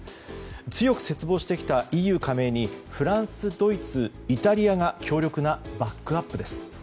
強く切望してきたＥＵ加盟にフランス、ドイツ、イタリアが強力なバックアップです。